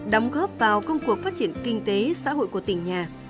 đóng góp vào công cuộc phát triển kinh tế xã hội của tỉnh nhà